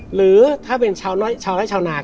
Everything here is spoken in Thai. หรือถ้าเป็นชาวน้อยชาวน้อยชาวนา